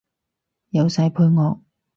有晒配樂